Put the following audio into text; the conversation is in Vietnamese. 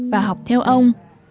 và học theo ông